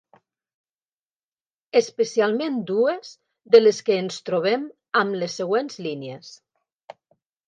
Especialment dues de les que ens trobem amb les següents línies.